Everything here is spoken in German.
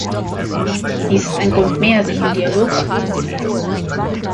Dies ist ein Grund mehr, sich im Dialog offen zu zeigen.